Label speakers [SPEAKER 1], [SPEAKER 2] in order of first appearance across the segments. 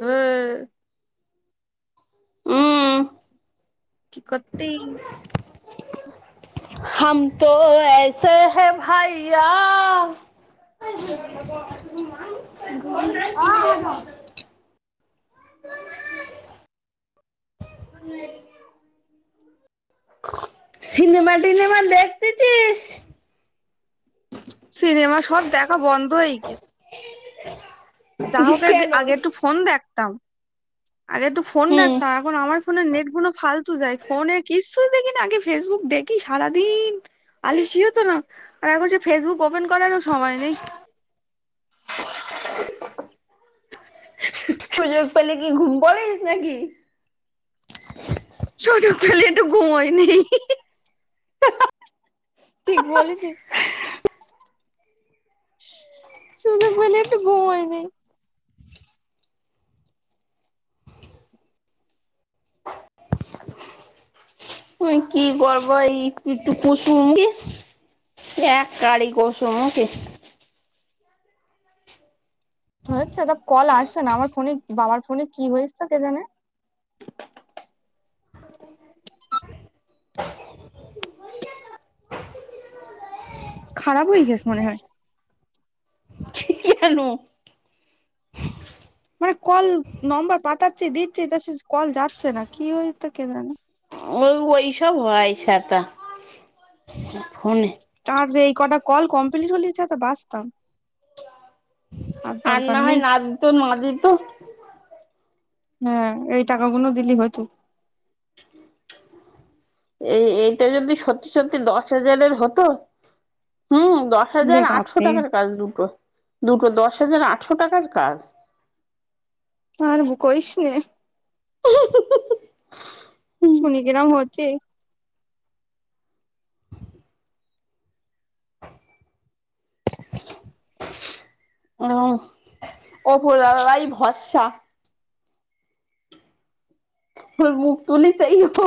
[SPEAKER 1] ہاں
[SPEAKER 2] [inaudible]
[SPEAKER 1] کہ کرتے
[SPEAKER 2] ہم تو ایسے ہیں بھیا [inaudible] سیننےما ینما دیکھتے چ
[SPEAKER 1] سنینےما سب دیکھا بند ہے گ
[SPEAKER 2] [inaudible]
[SPEAKER 1] جا ہوک آگے ایکٹ فون دیک [inaudible] آگے تو فون دیکتاار ہمار فون نیٹ گولو پالت ج ف ک د نا آگے فس بک دیکی سارا دن آلشی ہ ہو تو نا اور فس بک اوپن کرار سائے نہیں [inaudible]
[SPEAKER 2] [inaudible]
[SPEAKER 1] [inaudible] ٹھیک ب سے سجک مے ایک تو با ہے نہیں
[SPEAKER 2] کی کرو یہ کس گ ایک کی قسوم اوکے
[SPEAKER 1] تو کال آسس نا ہمار فون بابار فونے کی ہوستا ک جے خاراب ہو گیاس من ہے
[SPEAKER 2] ل
[SPEAKER 1] م کل نمبر پاتاچ دچ تو کل جا سےا کی ہوتا کہ جانا
[SPEAKER 2] وہ وہی سب ہے س تو ف
[SPEAKER 1] یہ کٹ کال کمپلیٹ ہو تھ بچتاام
[SPEAKER 2] آنا ہے ند تو مد تو
[SPEAKER 1] [unintelligible]
[SPEAKER 2] یہ یہ تو ج ستی ستی دس ہزارے ہوت ہوں دس ہزار آٹ سو ٹاکار کج دوٹو دوٹو دس د ہزار آٹھ سو ٹاکار کج
[SPEAKER 1] ہار وہ کوئیس ن نے
[SPEAKER 2] [inaudible] ا ا پ لائی بسا اور م تو نہیں صحیح ہو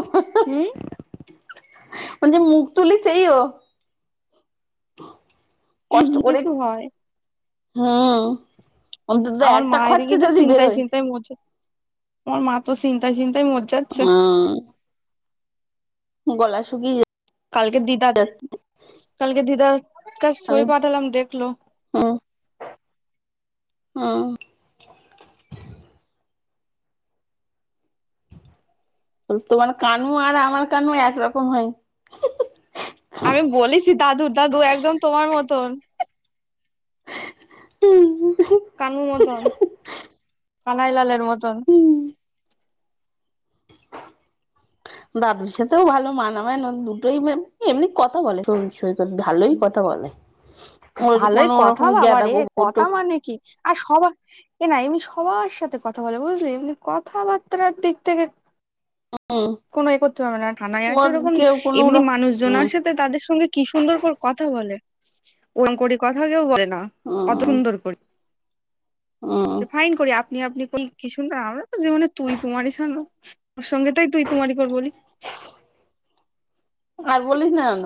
[SPEAKER 1] ہوں
[SPEAKER 2] مے مگ تولی سے ہی ہو تو کش کر ہوں ان تو تو ایکٹ خرچہ جد برو
[SPEAKER 1] م مات تو چنتاا چ مججا سے
[SPEAKER 2] گلا سکی ج
[SPEAKER 1] کال کے دیدا کال کے دیدا کا سوئی پاتلام دیکھ لو
[SPEAKER 2] ہ تمار کانو اور ہمار کانو ایک رکم ہے
[SPEAKER 1] ہمیں بس دادر دادو ایک دم تمار متون کانو متن کانائی لالیر متن
[SPEAKER 2] دادر س بھو مانا م ہے ن دوٹ ہی ام کتا ب س سو بھال ہی کتاا بے اور کو رکم گدا گبر تو
[SPEAKER 1] آ سب کہ ن امی سوار ساتے کتا ب بوجلیے انی کت بارتار دک ت کو یہ کرتے پےا تھانا آسے ا رکم ایم مانوش ج آسے تو تر سگے کی سندر کو کتا ب ان کوی کتا گ بولے ا سندر کو فائن کری آپنی آپنی کوئی ک سنندر ہم تو جی میں تئی تمار ہی سانو اور سگے تو ت تماریپ بولی
[SPEAKER 2] اور بس ن ن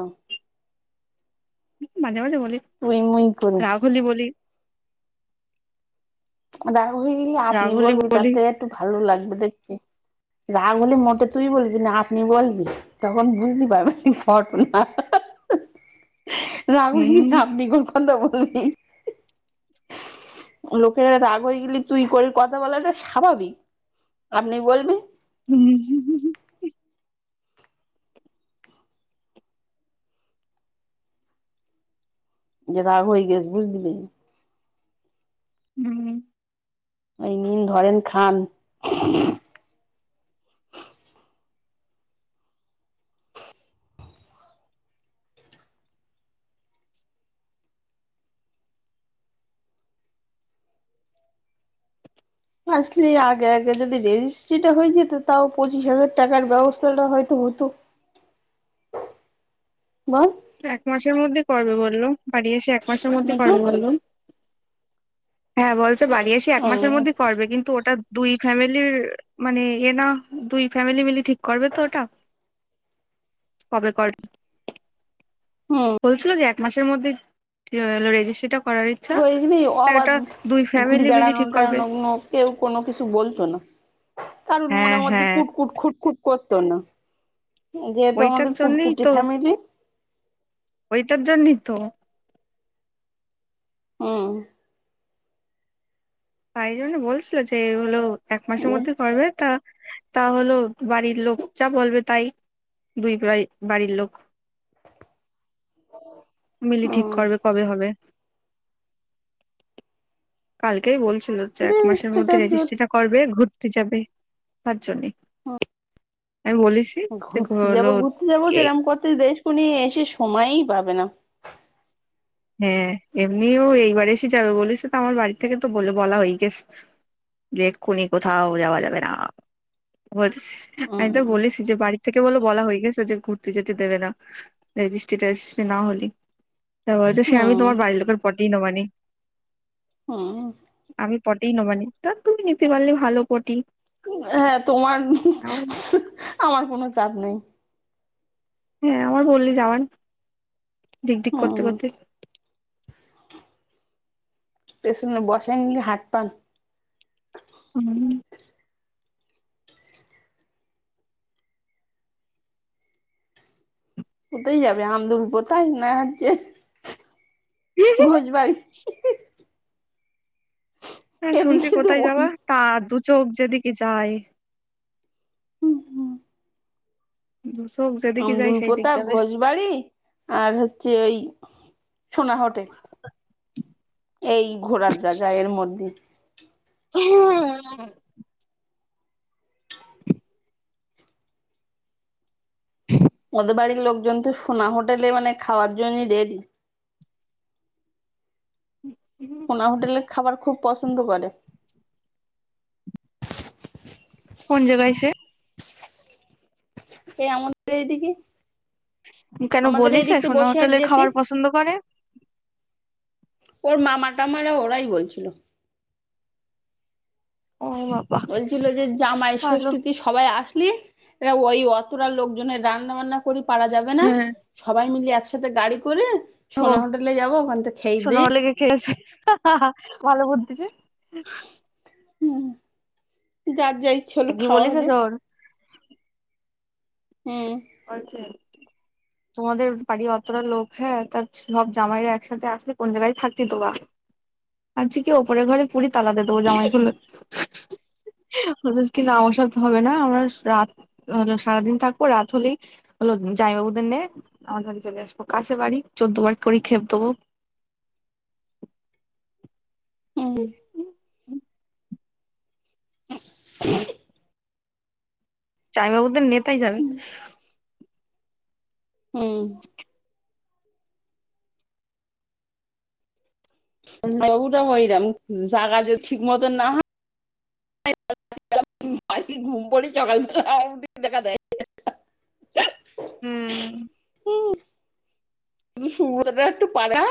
[SPEAKER 1] مزے بجے ہو رگلی ہی بولی
[SPEAKER 2] ادا ب آپنی ب بھی ت ت ایکٹ بھ لگے دیکے راگ ہلی موٹے توئی بو نا آپنی ب بھی تخ بجتی پ کٹونا رگل ہی نام نہیں گل خند ب [unintelligible] [inaudible]
[SPEAKER 1] [inaudible]
[SPEAKER 2] [inaudible]
[SPEAKER 1] [inaudible]
[SPEAKER 2] [inaudible] [inaudible]
[SPEAKER 1] [inaudible] [unintelligible] [unintelligible] [unintelligible] [inaudible] [inaudible] [inaudible] [inaudible]
[SPEAKER 2] [inaudible] [unintelligible] [unintelligible] [unintelligible]
[SPEAKER 1] [unintelligible]
[SPEAKER 2] [unintelligible]
[SPEAKER 1] [unintelligible] [unintelligible] [unintelligible] [unintelligible] [unintelligible] [unintelligible] [inaudible]
[SPEAKER 2] [inaudible] [inaudible]
[SPEAKER 1] [inaudible] [inaudible] [inaudible]
[SPEAKER 2] [inaudible]
[SPEAKER 1] [inaudible]
[SPEAKER 2] [unintelligible] [inaudible]
[SPEAKER 1] [inaudible] [inaudible]
[SPEAKER 2] [inaudible] [inaudible]
[SPEAKER 1] [inaudible]
[SPEAKER 2] [unintelligible] [unintelligible]
[SPEAKER 1] [unintelligible] [unintelligible] [unintelligible]
[SPEAKER 2] [unintelligible] [inaudible]
[SPEAKER 1] [inaudible]
[SPEAKER 2] [inaudible]
[SPEAKER 1] [inaudible]
[SPEAKER 2] [inaudible] [inaudible]
[SPEAKER 1] [inaudible]
[SPEAKER 2] [inaudible] [inaudible] [inaudible] [inaudible] [inaudible] [inaudible]
[SPEAKER 1] [unintelligible]
[SPEAKER 2] [inaudible] [unintelligible]
[SPEAKER 1] [unintelligible] [unintelligible] [unintelligible] [unintelligible] [unintelligible]
[SPEAKER 2] [unintelligible]
[SPEAKER 1] [unintelligible]
[SPEAKER 2] [inaudible]
[SPEAKER 1] چائی بابو د نیت ہی جانے
[SPEAKER 2] ہوں س وہ توا ہو رم زاگا جو ٹھ متون نہ ہے گوم پڑے چکالٹی دیکا د ہوں شک پڑا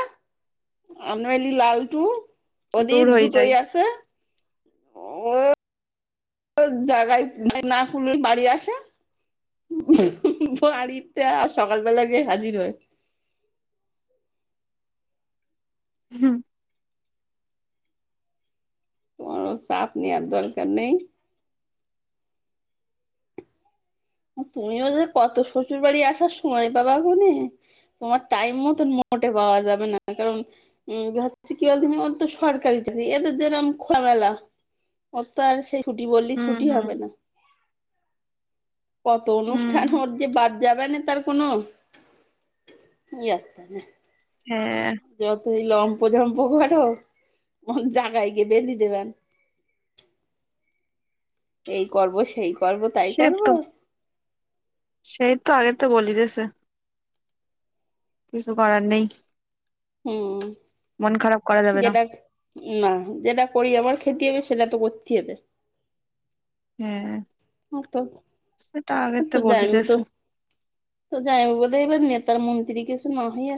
[SPEAKER 2] آنا ع لی لالٹو ادیپ دوٹ ہی آ سے ہ جاگائی نہ کل بڑی آسے بڑ ت سکال بلا گ حضر ہو
[SPEAKER 1] ہاں
[SPEAKER 2] تو ساف نہیں آد در کر نہیں تممی ا جو کت ششور باڑی آسار سئے پابا گ نے تمار ائم متون موٹے پا جائےا کن ا کی د وہ تو سرکی چی یہ تو جیرم ک ملا اور تو اور چھوٹی بوللی چھوٹی ہو نا [unintelligible] [unintelligible]
[SPEAKER 1] ہ
[SPEAKER 2] [unintelligible] [unintelligible] [unintelligible]
[SPEAKER 1] [unintelligible] [unintelligible]
[SPEAKER 2] [unintelligible]
[SPEAKER 1] [unintelligible]
[SPEAKER 2] [unintelligible]
[SPEAKER 1] ہاں
[SPEAKER 2] ہ تو تو جائ ب تو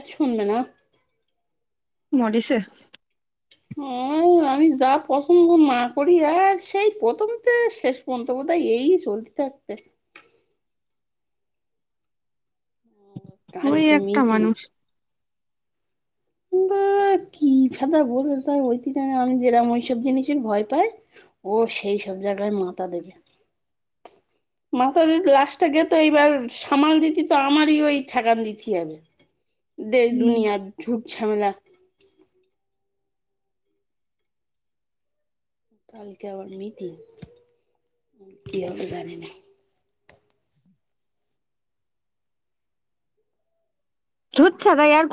[SPEAKER 2] [unintelligible] [unintelligible]
[SPEAKER 1] [unintelligible]
[SPEAKER 2] [unintelligible]
[SPEAKER 1] [unintelligible]
[SPEAKER 2] ب کی فدا بولے تو ج ہم ج رم وہ سب جیس سے بائے پائے وہ س سب جاگہ ماتا دب مات د گلاسٹ گے تو یہ بار سامال دیتیھی تو ہمار ہی وہ ٹگان دیتیھی ج ہے دیش دنیا چٹی شملہ کل کیو می ت کی آ جان میں
[SPEAKER 1] جود سدا ار